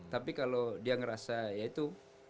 tapi kalau dia ngerasa ya itu